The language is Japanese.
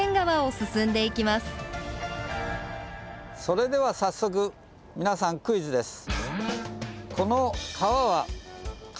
それでは早速皆さんクイズです。